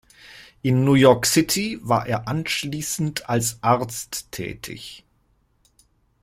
In New York City war er anschließend als Arzt tätig.